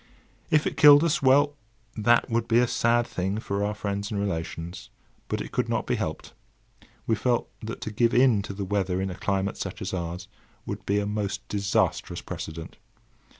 If it killed us! well, that would be a sad thing for our friends and relations, but it could not be helped. We felt that to give in to the weather in a climate such as ours would be a most disastrous precedent.